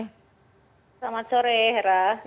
selamat sore hera